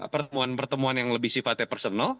pertemuan pertemuan yang lebih sifatnya personal